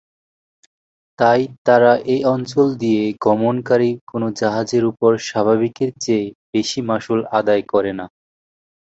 তাই তারা এই অঞ্চল দিয়ে গমনকারী কোন জাহাজের উপর স্বাভাবিকের চেয়ে বেশি মাশুল আদায় করে না।